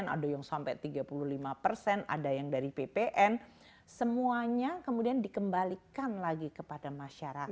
ada yang sampai tiga puluh lima persen ada yang dari ppn semuanya kemudian dikembalikan lagi kepada masyarakat